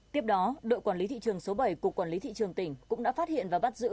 tiếp đó đội quản lý thị trường số bảy cục quản lý thị trường tỉnh cũng đã phát hiện và bắt giữ